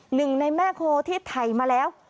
หนึ่งในแม่โคที่ไถมาแล้ว